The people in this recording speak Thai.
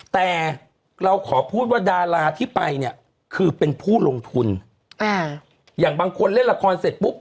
แต่เราขอพูดว่าดาราที่ไปเนี่ยคือเป็นผู้ลงทุนอ่าอย่างบางคนเล่นละครเสร็จปุ๊บ